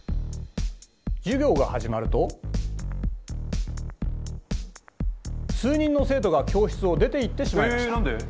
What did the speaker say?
授業が始まると数人の生徒が教室を出ていってしまいました。